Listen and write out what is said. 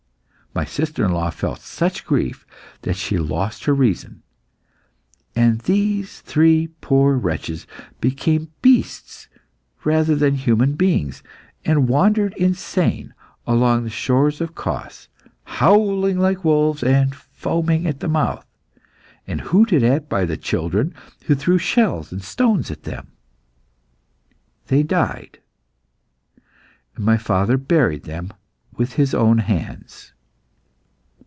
My sister in law felt such grief that she lost her reason, and these three poor wretches became beasts rather than human beings, and wandered insane along the shores of Cos, howling like wolves and foaming at the mouth, and hooted at by the children, who threw shells and stones at them. They died, and my father buried them with his own hands.